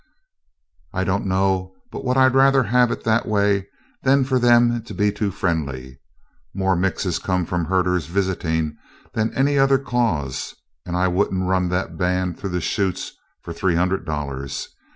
"I don't know but what I'd rather have it that way than for them to be too friendly. More 'mixes' come from herders visiting than any other cause, and I wouldn't run that band through the chutes for three hundred dollars.